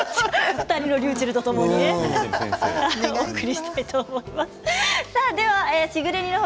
２人のりゅうちぇるとともにお送りしたいと思います。